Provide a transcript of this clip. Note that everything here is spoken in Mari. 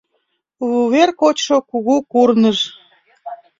«Вувер кочшо кугу курныж